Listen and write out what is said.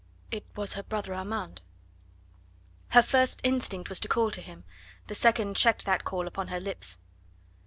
It was her brother Armand. Her first instinct was to call to him; the second checked that call upon her lips.